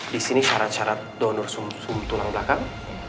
disini syarat syarat donor sum sum tulang belakang